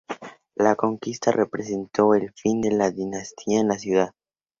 La conquista representó el fin de la dinastía en la ciudad.